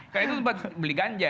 karena itu buat beli ganja